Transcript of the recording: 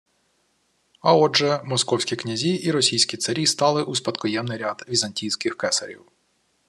А отже, московські князі і російські царі стали у спадкоємний ряд візантійських кесарів